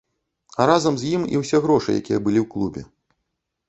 А разам з ім і ўсе грошы, якія былі ў клубе.